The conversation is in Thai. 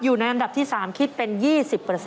อยู่ในอันดับที่๓คิดเป็น๒๐